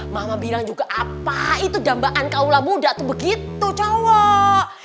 mama bilang juga apa itu dambaan kaula muda tuh begitu cowok